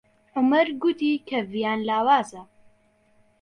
عومەر گوتی کە ڤیان لاوازە.